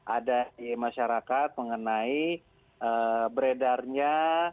ada di masyarakat mengenai beredarnya